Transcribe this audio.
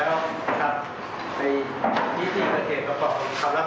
วันนี้จะอยู่เก็บรายละเอียดอีกเล็กน้อยนะครับ